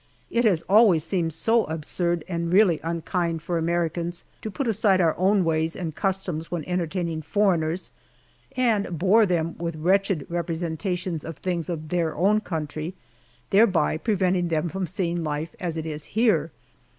It has always seemed so absurd and really unkind for Americans to put aside our own ways and customs when entertaining foreigners, and bore them with wretched representations of things of their own country, thereby preventing them from seeing life as it is here.